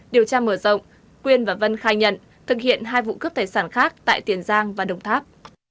điều tra mở rộng quyên và vân khai nhận thực hiện hai vụ cướp tài sản khác tại tiền giang và đồng tháp